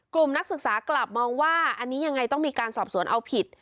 นักศึกษากลับมองว่าอันนี้ยังไงต้องมีการสอบสวนเอาผิด